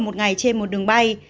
một ngày trên một đường bay